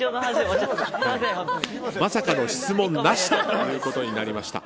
まさかの質問なしということになりました。